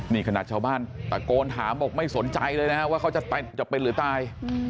นี่ขนาดชาวบ้านตะโกนถามบอกไม่สนใจเลยนะว่าเขาจะเป็นหรือตาย